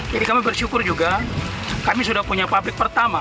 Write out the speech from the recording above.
jadi kami bersyukur juga kami sudah punya pabrik pertama